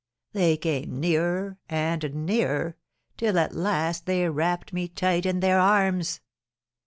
They came nearer and nearer, till at last they wrapped me tight in their arms."